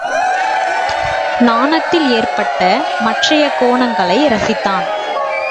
நாணத்தில் ஏற்பட்ட மற்றைய கோணங்களை ரசித்தான்.